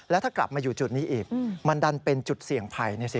แล้วถ้ากลับมาอยู่จุดนี้อีกมันดันเป็นจุดเสี่ยงภัย